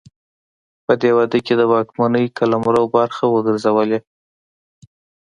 په دې واده کې د واکمنۍ قلمرو برخه وګرځولې.